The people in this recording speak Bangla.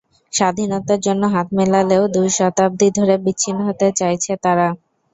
স্বাধীনতার জন্য হাত মেলালেও দুই শতাব্দী ধরে বিচ্ছিন্ন হতে চাইছে তারা।